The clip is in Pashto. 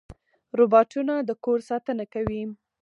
روباټونه د کور ساتنه کوي.